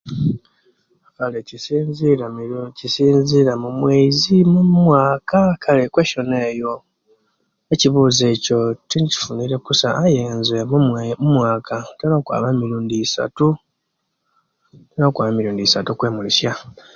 Kale kisinzirira mubyo kisinzirira mu mumwezi mumwaka kale question eyo ekibuzo ekyo tinkifunire okusa aye nze mu mwaka ntera okwaba emirundi isatu intera okwaba emirundi isatu okwemulisia